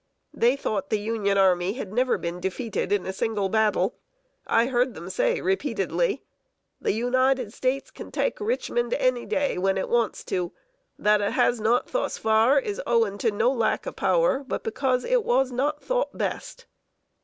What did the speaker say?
They thought the Union army had never been defeated in a single battle. I heard them say repeatedly: "The United States can take Richmond any day when it wants to. That it has not, thus far, is owing to no lack of power, but because it was not thought best."